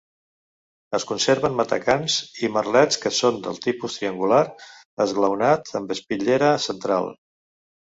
Es conserven matacans i merlets que són de tipus triangular esglaonat amb espitllera central.